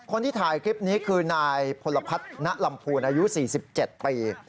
คนที่ถ่ายคลิปนี้คือนายพลพัฒนลำพูนอายุ๔๗ปี